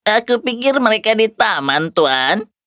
aku pikir mereka di taman tuhan